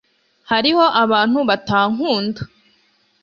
hariho abantu batankunda